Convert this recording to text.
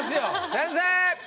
先生！